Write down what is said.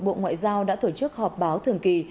bộ ngoại giao đã tổ chức họp báo thường kỳ